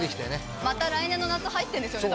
また来年の夏入ってんですよね